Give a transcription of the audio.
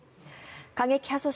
過激派組織